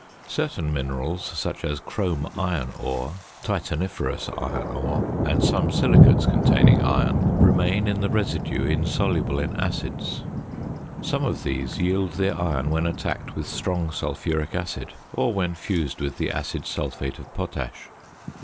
Certain minerals, such as chrome iron ore, titaniferous iron ore, and some silicates containing iron, remain in the residue insoluble in acids. Some of these yield their iron when attacked with strong sulphuric acid, or when fused with the acid sulphate of potash.